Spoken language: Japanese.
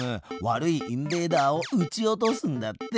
悪いインベーダーをうち落とすんだって。